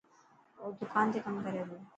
او دڪان تي ڪم ڪري پيو.